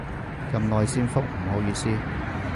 咁耐先覆，唔好意思